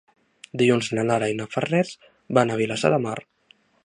Dilluns na Lara i na Farners van a Vilassar de Mar.